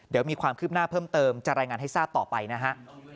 เดี๋ยวมีความคืบหน้าเพิ่มเติมจะรายงานให้ทราบต่อไปนะฮะ